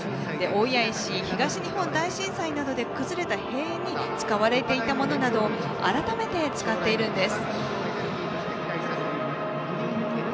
大谷石、東日本大震災などで崩れた塀に使われていたものなど改めて使っているんです。